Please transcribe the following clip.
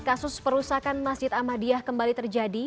kasus perusakan masjid ahmadiyah kembali terjadi